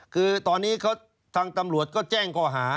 คือตอนนี้ทางตำรวจก็แจ้งข้อหา